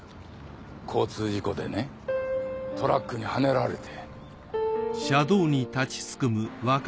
交通事故でねトラックにはねられて。